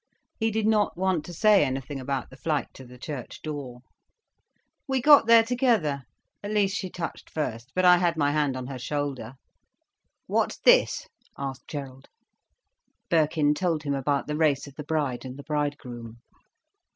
He did not want to say anything about the flight to the church door. "We got there together. At least she touched first, but I had my hand on her shoulder." "What's this?" asked Gerald. Birkin told him about the race of the bride and the bridegroom.